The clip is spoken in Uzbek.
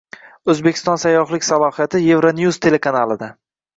O‘zbekiston sayyohlik salohiyati «Euronews» telekanalida